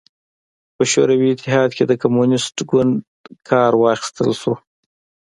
په شوروي اتحاد کې د کمونېست ګوند کار واخیستل شو.